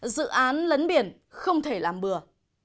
dự án lấn biển không thể làm bừa